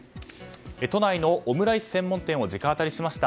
都内のオムライス専門店を直アタリしました。